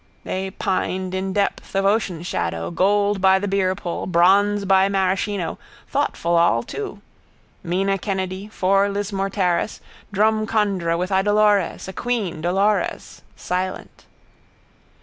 They pined in depth of ocean shadow, gold by the beerpull, bronze by maraschino, thoughtful all two. Mina Kennedy, 4 Lismore terrace, Drumcondra with Idolores, a queen, Dolores, silent.